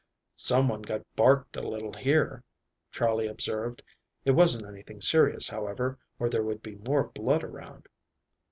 "Some one got barked a little here," Charley observed. "It wasn't anything serious, however, or there would be more blood around."